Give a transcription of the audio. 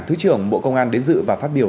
thứ trưởng bộ công an đến dự và phát biểu